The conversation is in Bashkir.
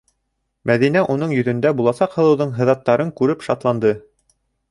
Мәҙинә уның йөҙөндә буласаҡ һылыуҙың һыҙаттарын күреп шатланды.